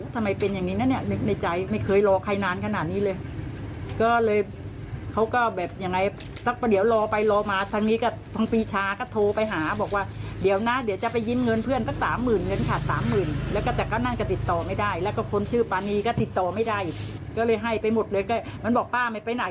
ให้ไปหมดเลยมันบอกป้าไม่ไปไหนแล้วใส่ถุงไว้อย่างนี้เนี่ย